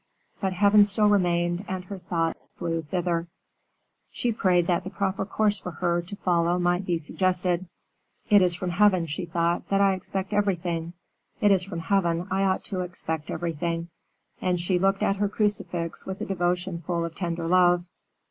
But Heaven still remained, and her thoughts flew thither. She prayed that the proper course for her to follow might be suggested. "It is from Heaven," she thought, "that I expect everything; it is from Heaven I ought to expect everything." And she looked at her crucifix with a devotion full of tender love.